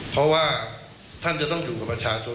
เพราะว่าท่านจะต้องอยู่กับประชาชน